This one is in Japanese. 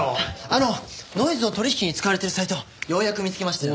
あのノイズの取引に使われているサイトようやく見つけましたよ。